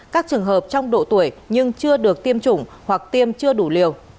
các trường hợp trong độ tuổi nhưng chưa được tiêm chủng hoặc tiêm chưa đủ liều